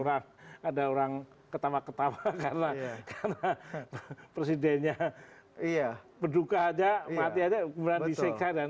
ada orang ketawa ketawa karena presidennya peduka aja mati aja